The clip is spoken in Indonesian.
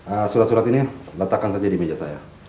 eh surat surat ini letakkan saja di meja saya